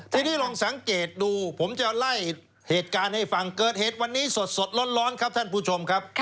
ทีนี้ลองสังเกตดูผมจะไล่เหตุการณ์ให้ฟังเกิดเหตุวันนี้สดร้อนครับท่านผู้ชมครับ